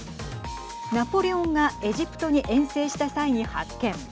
ナポレオンがエジプトに遠征した際に発見。